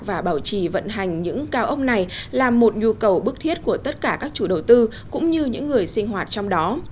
và bảo trì vận hành những cao ốc này là một nhu cầu bức thiết của tất cả các chủ đầu tư cũng như những người sinh hoạt trong đó